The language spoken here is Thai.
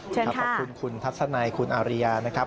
ขอบคุณคุณทัศนัยคุณอาริยานะครับ